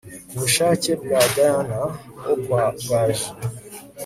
Kubushake bwa Diane wo kwa Gaju